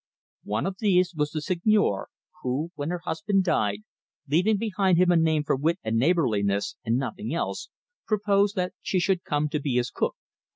One of these was the Seigneur, who, when her husband died, leaving behind him a name for wit and neighbourliness, and nothing else, proposed that she should come to be his cook.